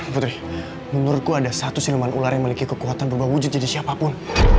putri menurutku ada satu sinuman ular yang memiliki kekuatan berubah wujud jadi siapapun